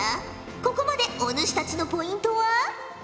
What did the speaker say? ここまでお主たちのポイントは。